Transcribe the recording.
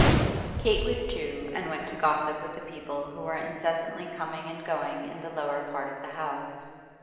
Kate withdrew and went to gossip with the people who were incessantly coming and going in the lower part of the house.